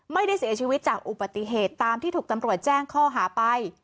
ไม่ได้เสียชีวิตจากอุบัติเหตุตามที่ถูกตำรวจแจ้งข้อหาไป